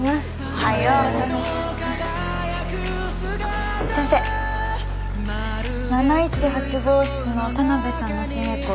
おはよう先生７１８号室の田辺さんの心エコー